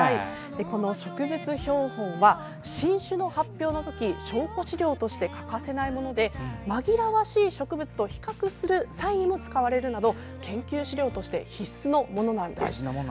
この植物標本は新種の発表の時証拠資料として欠かせないものでまぎらわしい植物と比較する際にも使われるなど研究資料として必須のものです。